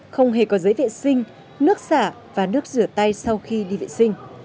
không hề có giấy vệ sinh nước xả và nước rửa tay sau khi đi vệ sinh